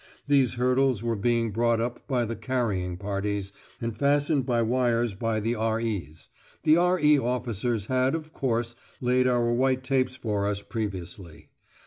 These hurdles were being brought up by the "carrying parties" and fastened by wires by the R.E's; the R.E. officers had, of course, laid our white tapes for us previously.